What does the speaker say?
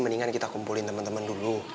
mendingan kita kumpulin temen temen dulu